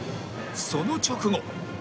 その直後